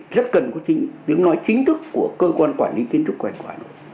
rất cần công trình đứng nói chính thức của cơ quan quản lý tiến đấu